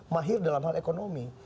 mahir dalam hal ekonomi